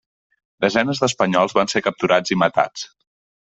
Desenes d’espanyols van ser capturats i matats.